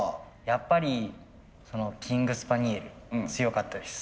やっぱりキングスパニエル強かったです。